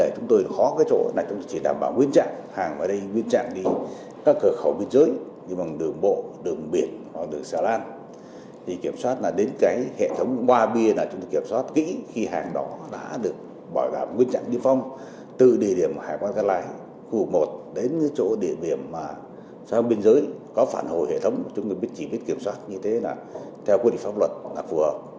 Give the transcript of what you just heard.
chúng tôi chỉ biết kiểm soát như thế là theo quy định pháp luật là phù hợp